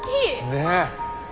ねえ！